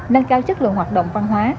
nâng cao chất lượng hoạt động văn hóa